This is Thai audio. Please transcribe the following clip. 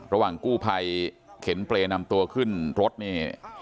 ระหว่างกู้ภัยเข็นเปรย์นำตัวขึ้นรถนี่